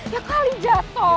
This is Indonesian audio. ya aku alih jatoh